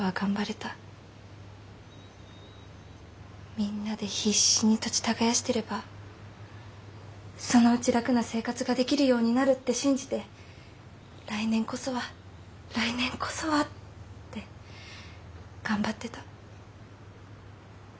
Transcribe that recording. みんなで必死に土地耕してればそのうち楽な生活ができるようになるって信じて来年こそは来年こそはって頑張ってた。